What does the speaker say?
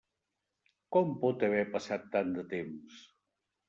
Com pot haver passat tant de temps?